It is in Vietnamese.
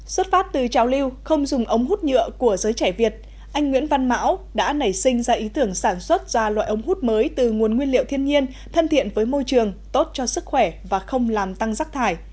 xuất phát từ trào lưu không dùng ống hút nhựa của giới trẻ việt anh nguyễn văn mão đã nảy sinh ra ý tưởng sản xuất ra loại ống hút mới từ nguồn nguyên liệu thiên nhiên thân thiện với môi trường tốt cho sức khỏe và không làm tăng rắc thải